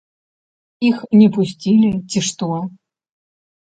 Іх не пусцілі ці што?